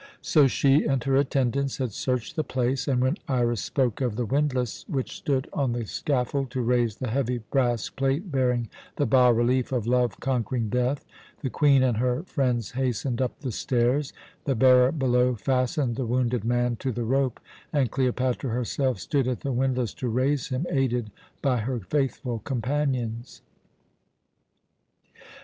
So she and her attendants had searched the place, and when Iras spoke of the windlass which stood on the scaffold to raise the heavy brass plate bearing the bas relief of Love conquering Death, the Queen and her friends hastened up the stairs, the bearer below fastened the wounded man to the rope, and Cleopatra herself stood at the windlass to raise him, aided by her faithful companions.